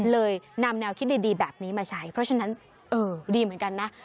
เลยนำแนวคิดดีแบบนี้มาใช้เพราะฉะนั้นเออดีเหมือนกันนะ